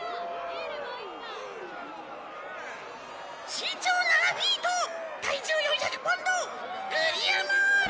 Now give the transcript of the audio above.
身長７フィート体重４００ポンドグリアモール！